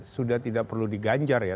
sudah tidak perlu di ganjar ya